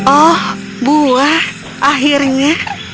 oh buah akhirnya